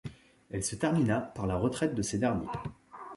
Elle se termina par la retraite de ces derniers.